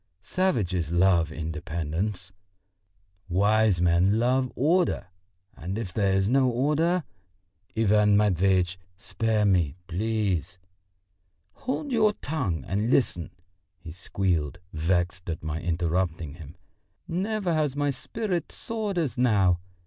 "Savages love independence, wise men love order; and if there is no order...." "Ivan Matveitch, spare me, please!" "Hold your tongue and listen!" he squealed, vexed at my interrupting him. "Never has my spirit soared as now.